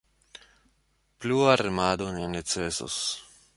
Plua remado ne necesos.